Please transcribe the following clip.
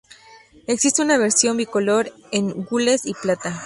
Existe una versión bicolor en gules y plata.